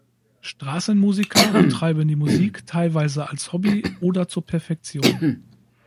Straßenmusiker betreiben die Musik teilweise als Hobby oder zur Perfektion.